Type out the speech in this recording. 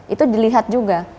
itu dilihat juga